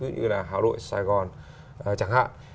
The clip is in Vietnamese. như là hà nội sài gòn chẳng hạn